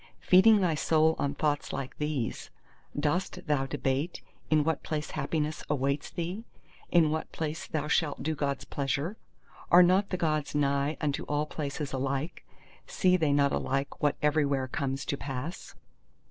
Feeding thy soul on thoughts like these, dost thou debate in what place happiness awaits thee? in what place thou shalt do God's pleasure? Are not the Gods nigh unto all places alike; see they not alike what everywhere comes to pass?